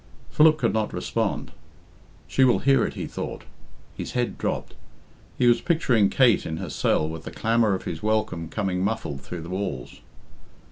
Philip could not respond. "She will hear it," he thought. His head dropped. He was picturing Kate in her cell with the clamour of his welcome coming muffled through the walls.